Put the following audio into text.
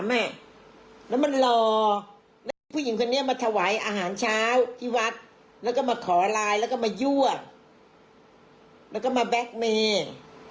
แล้วมันรอแล้วผู้หญิงคนนี้มาถวายอาหารเช้าที่วัดแล้วก็มาขอไลน์แล้วก็มายั่วแล้วก็มาแบ็คเมย์